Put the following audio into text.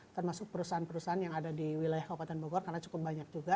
termasuk perusahaan perusahaan yang ada di wilayah kabupaten bogor karena cukup banyak juga